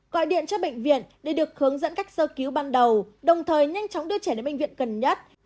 gọi điện cho bệnh viện để được hướng dẫn cách sơ cứu ban đầu đồng thời nhanh chóng đưa trẻ đến bệnh viện gần nhất